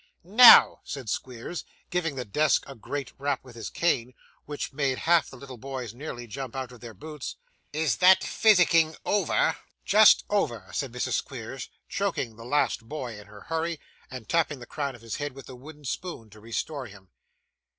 'Now,' said Squeers, giving the desk a great rap with his cane, which made half the little boys nearly jump out of their boots, 'is that physicking over?' 'Just over,' said Mrs. Squeers, choking the last boy in her hurry, and tapping the crown of his head with the wooden spoon to restore him.